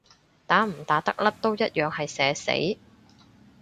打唔打得甩都一樣係社死